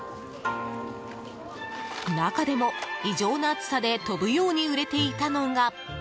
中でも、異常な暑さで飛ぶように売れていたのが。